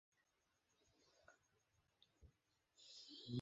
অথচ কাল বুকে পাথর বেঁধে মাঠে নামতে হবে অর্থহীন একটা ম্যাচ খেলতে।